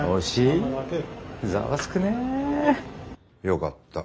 よかった。